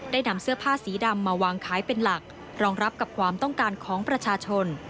นำเสื้อผ้าสีดำมาวางขายเป็นหลักรองรับกับความต้องการของประชาชน